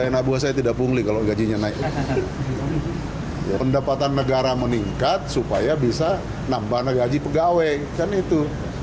negara meningkat supaya bisa nambah gaji pegawai kan itu